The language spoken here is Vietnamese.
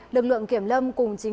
lực lượng kiểm lâm cùng chính quyền